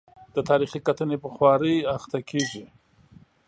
د تاریخي کتنې په خوارۍ اخته کېږي.